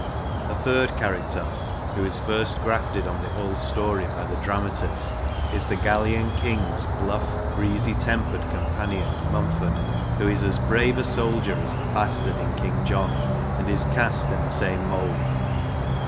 A third character, who is first grafted on the old story ,by the dramatist, is the Gallian King's bluff breezy tempered companion, MumforcT, who is as brave a soldier as the Bastard in King John, and is cast in the same mould.